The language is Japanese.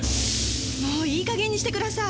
もういい加減にしてください！